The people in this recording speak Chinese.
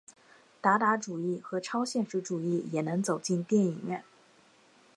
达达主义和超现实主义也能走进电影院。